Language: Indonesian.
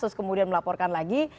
terus kemudian melaporkan lagi